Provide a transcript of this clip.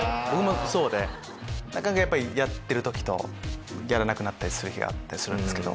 僕もそうでなかなかやっぱりやってる時とやらなくなったりする日があったりするんですけど。